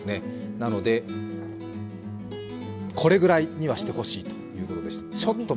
なので、これぐらいにはしてほしいということでした。